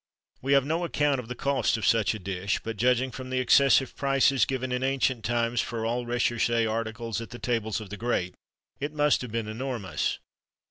We have no account of the cost of such a dish, but, judging from the excessive prices given in ancient times for all recherché articles at the tables of the great, it must have been enormous.